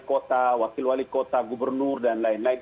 kota wakil wali kota gubernur dan lain lain